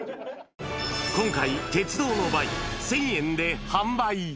今回、鉄道の倍、１０００円で販売。